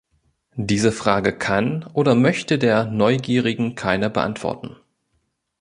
Diese Frage kann oder möchte der Neugierigen keiner beantworten.